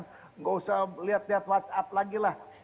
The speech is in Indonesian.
tidak usah lihat lihat whatsapp lagi lah